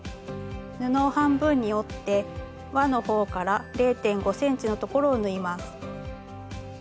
布を半分に折ってわの方から０．５ｃｍのところを縫います。